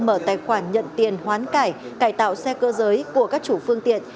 mở tài khoản nhận tiền hoán cải tạo xe cơ giới của các chủ phương tiện